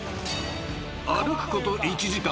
［歩くこと１時間。